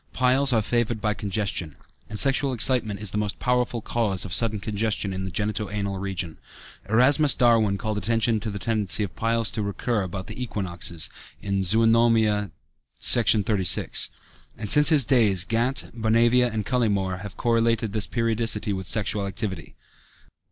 Piles are favored by congestion, and sexual excitement is the most powerful cause of sudden congestion in the genito anal region. Erasmus Darwin called attention to the tendency of piles to recur about the equinoxes (Zoönomia, Section XXXVI), and since his days Gant, Bonavia, and Cullimore have correlated this periodicity with sexual activity.